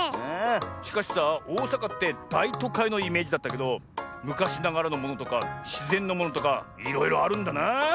しかしさおおさかってだいとかいのイメージだったけどむかしながらのものとかしぜんのものとかいろいろあるんだな！